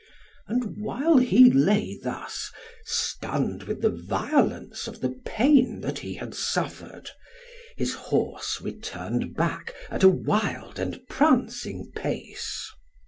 And while he lay thus, stunned with the violence of the pain that he had suffered, his horse returned back at a wild and prancing pace.